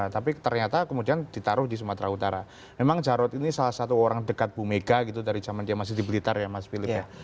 tapi ternyata kemudian ditaruh di sumatera utara memang jarod ini salah satu orang dekat bu mega gitu dari zaman dia masih di blitar ya mas philip ya